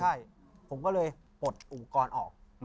ใช่ผมก็เลยปลดอุปกรณ์ออก